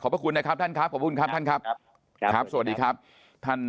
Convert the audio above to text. พระคุณนะครับท่านครับขอบคุณครับท่านครับครับสวัสดีครับท่าน